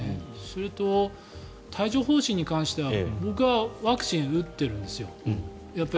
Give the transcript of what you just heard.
それと、帯状疱疹に関しては僕はワクチンを打っているんですよ。